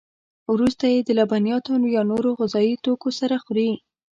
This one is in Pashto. وروسته یې د لبنیاتو یا نورو غذایي توکو سره خوري.